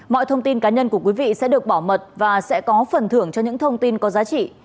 mọi thông tin cá nhân của quý vị sẽ được bảo mật và sẽ có phần thưởng cho những thông tin có giá trị